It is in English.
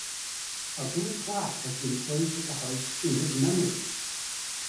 A blue plaque has been placed at the house in his memory.